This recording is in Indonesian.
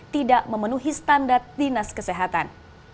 tidak memenuhi standar dinas kesehatan